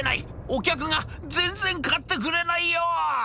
お客が全然買ってくれないよ」。